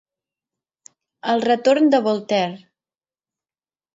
El retorn de Voltaire.